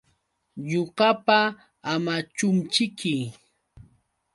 Ñuqapa Amachumćhiki.